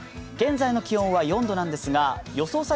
現在の気温は４度なんですが予想